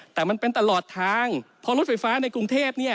แต่มันเป็นตลอดทางเพราะรถไฟฟ้าในกรุงเทพเนี่ย